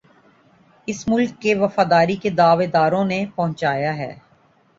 اس ملک کے وفاداری کے دعوے داروں نے پہنچایا ہے